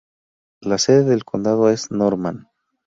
La sede del condado es Norman.